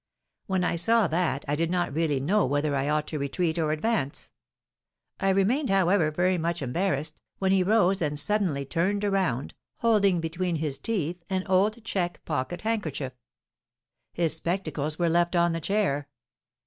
When I saw that I did not really know whether I ought to retreat or advance. I remained, however, very much embarrassed, when he rose and suddenly turned around, holding between his teeth an old check pocket handkerchief; his spectacles were left on the chair.